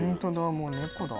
もう猫だ。